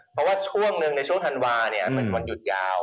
เพราะว่าช่วงหนึ่งในช่วงธันวาทมันหยุดยาว